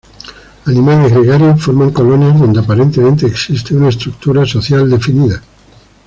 Animales gregarios, forman colonias donde aparentemente existe una estructura social definida.